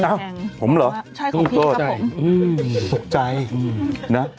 มือแท้งผมเหรอใช่ของพี่ครับผมผมโทดโใจสุกใจอื้อนะ